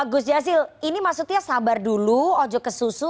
gus jazil ini maksudnya sabar dulu ojok ke susu